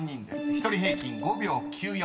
１人平均５秒９４。